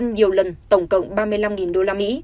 nhiều lần tổng cộng ba mươi năm usd